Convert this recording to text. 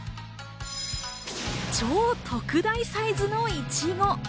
超特大サイズのいちご。